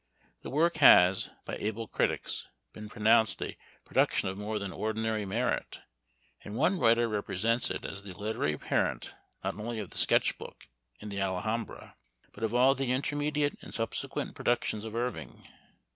The work has, by able critics, been pronounced a produc tion of more than ordinary merit, and one writer represents it as the literary parent not only of the Sketch Book and the Alhambra, : but of all the intermediate and subsequent pro 1 ductions of Irving.